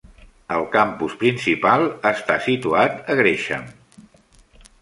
El campus principal està situat a Gresham.